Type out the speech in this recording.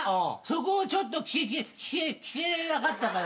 そこをちょっと聞き聞けなかったから。